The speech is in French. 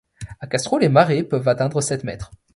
À Castro, les marées peuvent atteindre sept mètres.